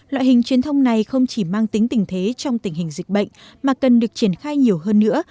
loại hình truyền thông này không chỉ mang tính tình thế trong tình hình dịch bệnh mà cần được triển khai nhiều hơn nữa